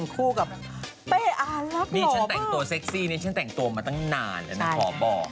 คู่กับเป๊อารักหรอเปล่า๕๕๕นี่ฉันแต่งตัวเซ็กซี่เนี่ยฉันแต่งตัวมาตั้งนานนะนะขอบอก